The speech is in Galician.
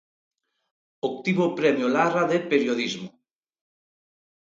Obtivo o Premio Larra de Periodismo.